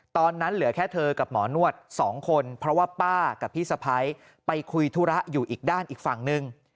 เหลือแค่เธอกับหมอนวด๒คนเพราะว่าป้ากับพี่สะพ้ายไปคุยธุระอยู่อีกด้านอีกฝั่งหนึ่ง